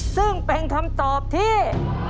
ซึ่งเป็นคำตอบที่